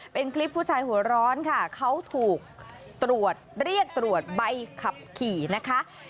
เป็นคลิปผู้ชายหัวร้อนค่ะเขาถูกตรวจเรียกตรวจใบขับขี่นะคะ